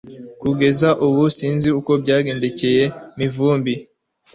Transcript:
Kugeza ubu sinzi uko byagendekeye Mivumbi